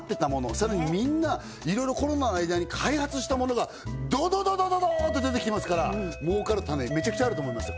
さらにみんないろいろコロナの間に開発したものがドドドドーッと出てきますから儲かる種めちゃくちゃあると思いますよ